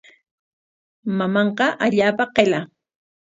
Mamanqa allaapa qilla.